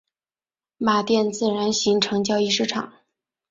马甸自然形成交易市场。